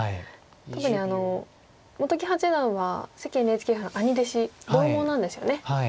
特に本木八段は関ＮＨＫ杯の兄弟子同門なんですよね。